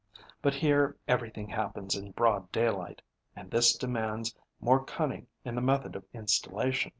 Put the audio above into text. But here everything happens in broad daylight; and this demands more cunning in the method of installation.